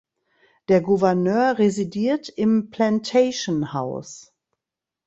Der Gouverneur residiert im Plantation House.